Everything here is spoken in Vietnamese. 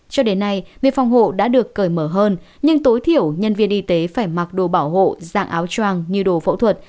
cho đến nay việc phòng hộ đã được cởi mở hơn nhưng tối thiểu nhân viên y tế phải mặc đồ bảo hộ dạng áo tràng như đồ phẫu thuật